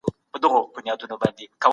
موږ به د رښتينولۍ لار خپله کړو.